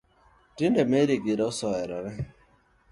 Tinde Mary gi Rose oherore